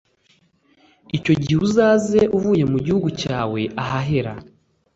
Icyo gihe uzaza uvuye mu gihugu cyawe ahahera